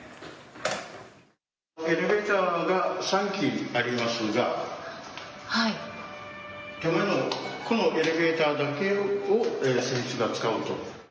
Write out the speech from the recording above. エレベーターが３基ありますが、ここのエレベーターだけを選手が使うと。